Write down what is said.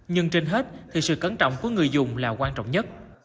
nhưng trên hết thì sự cẩn trọng của người dùng là quan trọng nhất